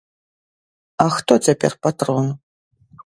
А хто цяпер патрон?